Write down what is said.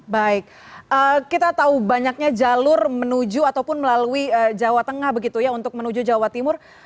baik kita tahu banyaknya jalur menuju ataupun melalui jawa tengah begitu ya untuk menuju jawa timur